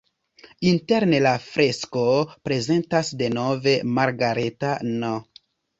Interne la fresko prezentas denove Margareta-n.